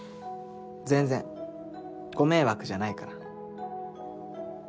全然ご迷惑じゃないから。